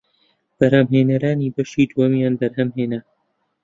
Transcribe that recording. بەرهەمهێنەرانی بەشی دووەمیان بەرهەمهێنا